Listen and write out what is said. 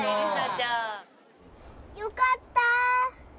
「よかった」